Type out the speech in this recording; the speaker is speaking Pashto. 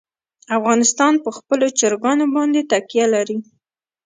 افغانستان په خپلو چرګانو باندې تکیه لري.